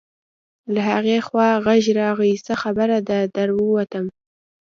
له هغې خوا غږ راغی: څه خبره ده، در ووتم.